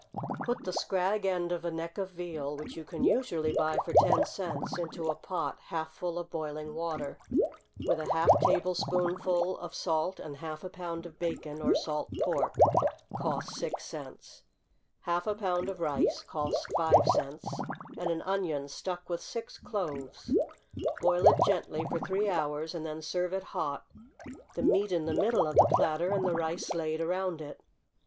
= Put the scrag end of a neck of veal, which you can usually buy for ten cents, into a pot half full of boiling water, with a half tablespoonful of salt, and half a pound of bacon, or salt pork, (cost six cents,) half a pound of rice, (cost five cents,) and an onion stuck with six cloves; boil it gently for three hours, and then serve it hot, the meat in the middle of the platter, and the rice laid around it.